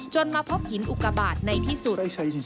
มาพบหินอุกบาทในที่สุด